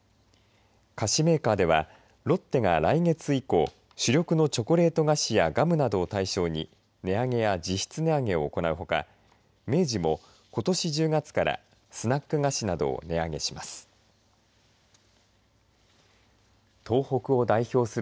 菓子メーカーではロッテが来月以降主力のチョコレート菓子やガムなどを対象に値上げや実質値上げを行うほか明治も、ことし１０月からスナック菓子などを値上げします。